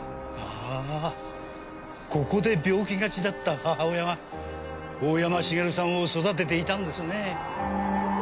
ああここで病気がちだった母親が大山茂さんを育てていたんですね。